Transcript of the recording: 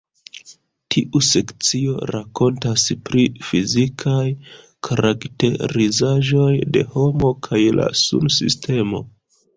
Tiu sekcio rakontas pri fizikaj karakterizaĵoj de homo kaj la Sunsistemo.